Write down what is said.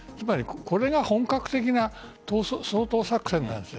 これが本格的な掃討作戦なんです。